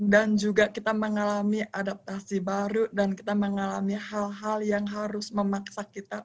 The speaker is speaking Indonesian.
dan juga kita mengalami adaptasi baru dan kita mengalami hal hal yang harus memaksa kita